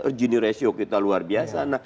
originie ratio kita luar biasa